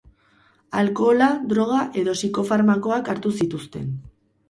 Alkohola, droga edo psikofarmakoak hartu zituzten.